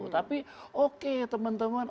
tapi oke teman teman